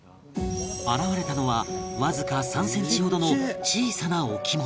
現れたのはわずか３センチほどの小さな置物